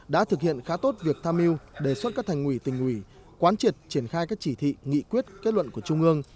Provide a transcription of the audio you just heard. đã thực hiện khá tốt việc tham mưu đề xuất các thành quỷ tình quỷ quán triệt triển khai các chỉ thị nghị quyết kết luận của trung ương